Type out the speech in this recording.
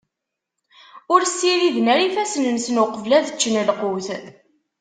Ur ssiriden ara ifassen-nsen uqbel ad ččen lqut.